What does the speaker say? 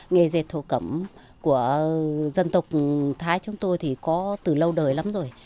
nghề dệt thổ cẩm của dân tộc thái chúng tôi thì có từ lâu đời lắm rồi